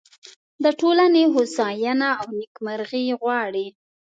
د ټولنې هوساینه او نیکمرغي غواړي.